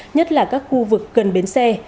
nhất là các khu vực gần bến xe